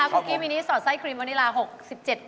เอาของแดมมาชนของสวยอย่างงานตรงนี้ครับคุณแม่ตั๊ก